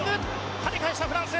はね返したフランス。